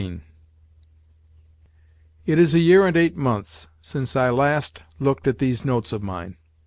XVII It is a year and eight months since I last looked at these notes of mine.